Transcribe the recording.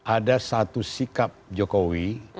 ada satu sikap jokowi